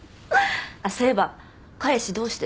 そういえば彼氏どうしてる？